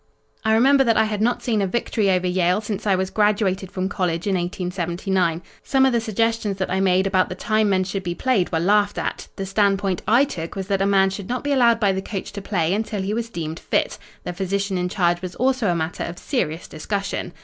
"I remember that I had not seen a victory over Yale since I was graduated from college in 1879. Some of the suggestions that I made about the time men should be played were laughed at. The standpoint I took was that a man should not be allowed by the coach to play until he was deemed fit. The physician in charge was also a matter of serious discussion.